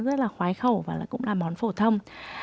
rất là khoái khẩu và cũng là món phổ thông